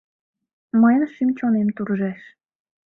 Мыйын шӱм-чонем туржеш.